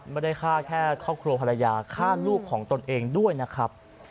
ไม่ได้ฆ่าแค่ครอบครัวภรรยาฆ่าลูกของตนเองด้วยนะครับ